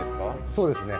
そうですね。